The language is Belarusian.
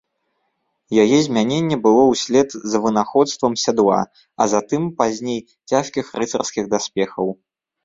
Яе змяненне было услед за вынаходствам сядла, а затым, пазней, цяжкіх рыцарскіх даспехаў.